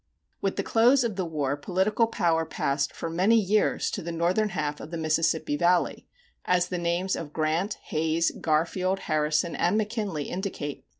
With the close of the war political power passed for many years to the northern half of the Mississippi Valley, as the names of Grant, Hayes, Garfield, Harrison, and McKinley indicate.